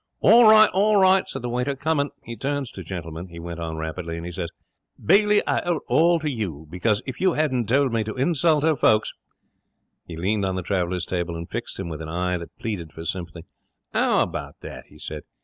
'All right, all right,' said the waiter. 'Coming! He turns to Gentleman,' he went on rapidly, 'and he says, "Bailey, I owe it all to you, because if you hadn't told me to insult her folks "' He leaned on the traveller's table and fixed him with an eye that pleaded for sympathy. ''Ow about that?' he said.